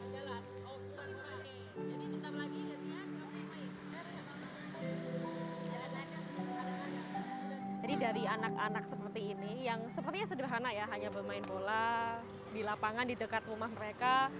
jadi dari anak anak seperti ini yang sepertinya sederhana ya hanya bermain bola di lapangan di dekat rumah mereka